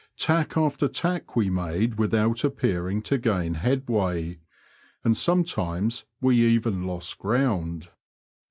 Tack after tack we made without appearing to gain headway, and sometimes we even lost ground.